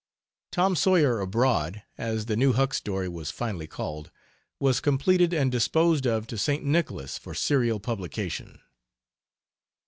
Tom Sawyer Abroad, as the new Huck story was finally called, was completed and disposed of to St. Nicholas for serial publication.